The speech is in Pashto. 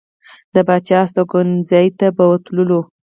د پاچا هستوګنځي ته بوتلو.